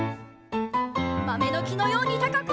まめのきのようにたかく！